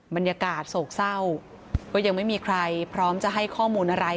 บรรยากาศโศกเศร้าก็ยังไม่มีใครพร้อมจะให้ข้อมูลอะไร